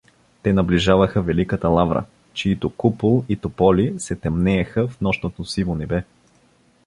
Те наближиха Великата лавра, чиито купол и тополи се тъмнееха в нощното сиво небе.